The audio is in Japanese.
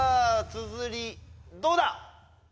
つづりどうだ？